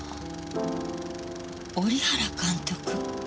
織原監督。